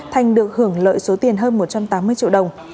thành được hưởng lợi số tiền hơn một trăm tám mươi triệu đồng